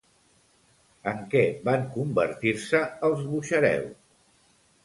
En què van convertir-se els Buxareu?